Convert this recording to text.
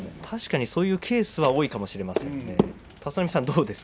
確かにそういうケースが多いかもしれません。